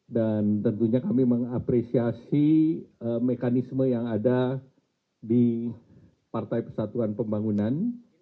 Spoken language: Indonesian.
dan tentunya kami mengapresiasi mekanisme yang ada di partai pesatuan pembangunan